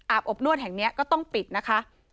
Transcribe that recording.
อบนวดแห่งนี้ก็ต้องปิดนะคะ